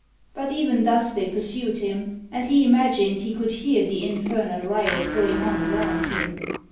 But even thus they pursued him; and he imagined he could hear the infernal riot going on around him.